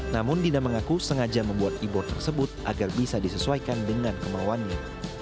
namun dina mengaku sengaja membuat e board tersebut agar bisa disesuaikan dengan kemauannya